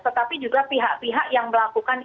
tetapi juga pihak pihak yang melakukan